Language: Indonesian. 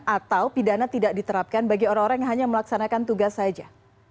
atau pidana tidak diterapkan bagi orang orang yang hanya melaksanakan tugas saja